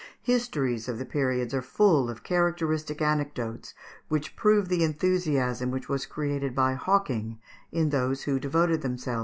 Histories of the period are full of characteristic anecdotes, which prove the enthusiasm which was created by hawking in those who devoted themselves to it.